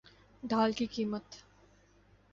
ڈھال کی قیمت